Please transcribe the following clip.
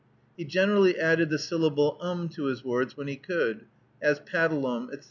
He generally added the syllable um to his words when he could, as paddl_um_, etc.